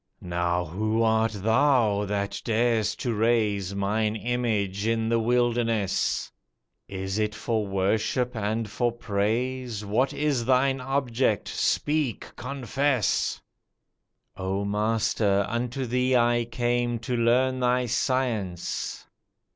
"Now who art thou that dar'st to raise Mine image in the wilderness? Is it for worship and for praise? What is thine object? speak, confess." "Oh Master, unto thee I came To learn thy science.